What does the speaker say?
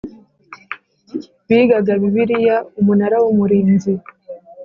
Bigaga bibiliya umunara w umurinzi